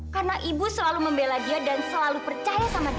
karena ibu selalu membela dia dan selalu percaya sama dia